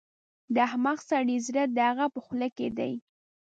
د احمق سړي زړه د هغه په خوله کې دی.